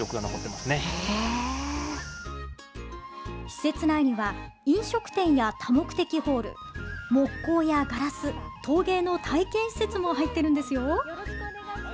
施設内には飲食店や多目的ホール木工やガラス、陶芸の体験施設も入っているんですよ。